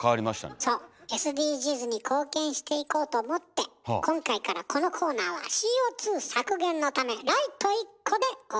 ＳＤＧｓに貢献していこうと思って今回からこのコーナーはＣＯ削減のためライト１個でお送りします。